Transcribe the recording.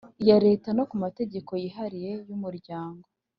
Iya leta no ku mategeko yihariye y umuryango